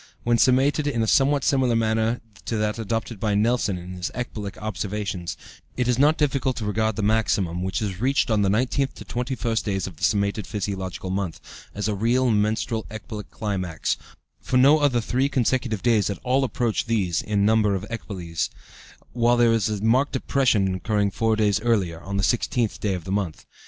When summated in a somewhat similar manner to that adopted by Nelson in his ecbolic observations, it is not difficult to regard the maximum, which is reached on the 19th to 21st days of the summated physiological month, as a real menstrual ecbolic climax, for no other three consecutive days at all approach these in number of ecboles, while there is a marked depression occurring four days earlier, on the 16th day of the month.